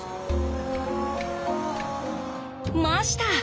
ました！